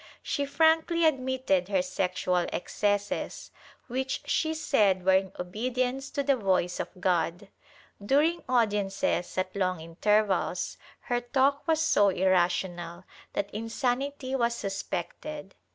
She frankly admitted her sexual excesses, which she said were in obedience to the voice of God. During audiences at long intervals her talk was so irrational that insanity was suspected.